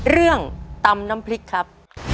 เรื่องตำน้ำพริกครับ